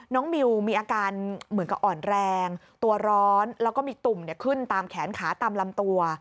มิวมีอาการเหมือนกับอ่อนแรงตัวร้อนแล้วก็มีตุ่มขึ้นตามแขนขาตามลำตัว